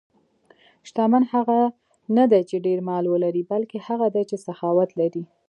شتمن هغه نه دی چې ډېر مال ولري، بلکې هغه دی چې سخاوت لري.